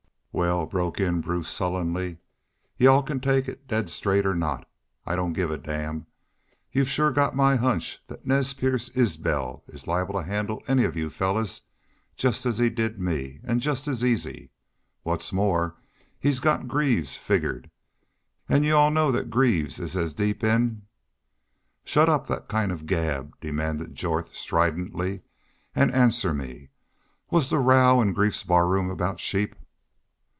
"Wal," broke in Bruce, sullenly. "You all can take it daid straight or not. I don't give a damn. But you've shore got my hunch thet Nez Perce Isbel is liable to handle any of you fellars jest as he did me, an' jest as easy. What's more, he's got Greaves figgered. An' you all know thet Greaves is as deep in " "Shut up that kind of gab," demanded Jorth, stridently. "An' answer me. Was the row in Greaves's barroom aboot sheep?"